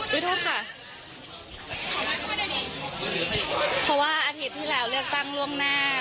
เพราะว่าอาทิตย์ที่แล้วเรียกตังค์ล่วงหน้า